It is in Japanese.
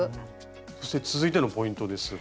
そして続いてのポイントですが。